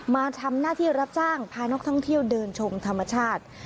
มาทำหน้าที่รับจ้างพานักท่องเที่ยวเดินชมธรรมชาติ